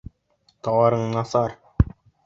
— Тауарың насар...